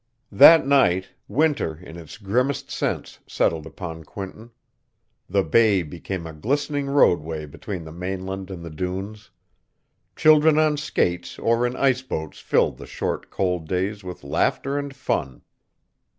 That night, winter, in its grimmest sense, settled upon Quinton. The bay became a glistening roadway between the mainland and the dunes. Children on skates or in ice boats filled the short, cold days with laughter and fun.